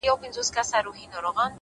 o اې ښكلي پاچا سومه چي ستا سومه،